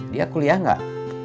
dia kuliah nggak